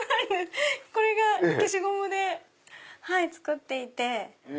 これが消しゴムで作っていて。